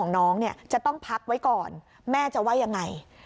น้องเนี่ยจะต้องพักไว้ก่อนแม่จะว่ายังไง